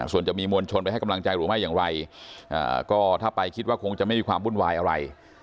ส่วนจะมีมวลชนไปให้กำลังใจหรือไม่อย่างไรก็ถ้าไปคิดว่าคงจะไม่มีความวุ่นวายอะไร